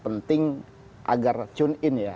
penting agar tune in ya